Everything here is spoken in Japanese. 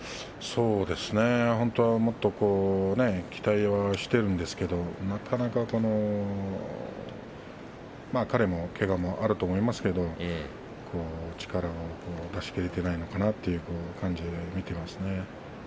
本当はもっと期待はしているんですけれど、なかなか彼も、けがはあると思いますけど力を出し切れていないのかなという感じで見ていますね。